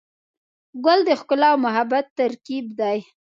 ګل د ښکلا او محبت ترکیب دی.